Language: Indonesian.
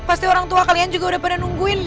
pasti orang tua kalian juga udah pada nungguin